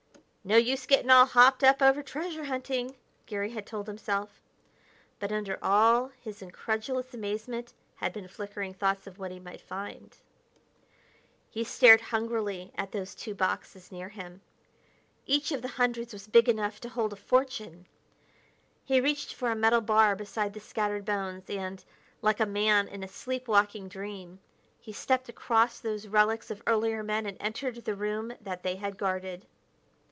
"No use getting all hopped up over treasure hunting," Garry had told himself. But under all his incredulous amazement had been flickering thoughts of what he might find. He stared hungrily at those two boxes near him. Each of the hundreds was big enough to hold a fortune. He reached for a metal bar beside the scattered bones, and, like a man in a sleep walking dream, he stepped across those relics of earlier men and entered the room that they had guarded.